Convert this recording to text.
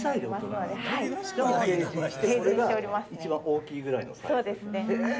一番大きいくらいのサイズ。